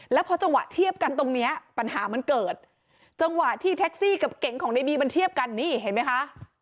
แล้วพอจังหวะเทียบกันตรงเนี้ยปัญหามันเกิดจังหวะที่แท็กซี่กับเก๋งของในบีมันเทียบกันนี่เห็นไหมคะ